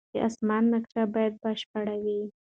د اسمان نقشه باید بشپړه وي.